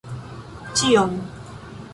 Ĉion!